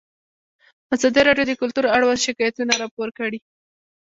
ازادي راډیو د کلتور اړوند شکایتونه راپور کړي.